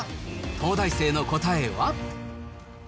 東大生の答えは？